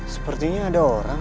sepertinya ada orang